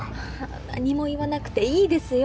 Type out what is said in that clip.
何も言わなくていいですよ！